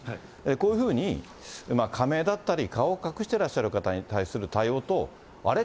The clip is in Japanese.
こういうふうに仮名だったり、顔を隠してらっしゃる方に対する対応と、あれ？